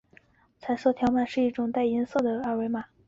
彩色条码是一种带颜色的二维条码。